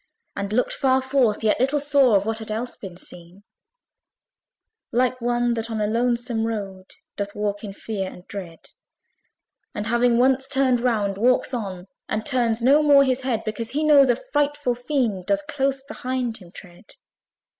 And looked far forth, yet little saw Of what had else been seen Like one that on a lonesome road Doth walk in fear and dread, And having once turned round walks on, And turns no more his head; Because he knows, a frightful fiend Doth close behind him tread.